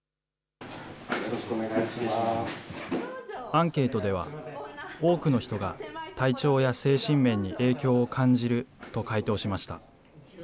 アンケートでは、多くの人が体調や精神面に影響を感じると回答しました。